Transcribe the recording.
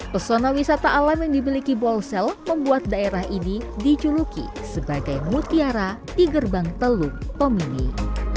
pesona wisata alam yang dimiliki bolsel membuat daerah ini dijuluki sebagai mutiara di gerbang teluk pemini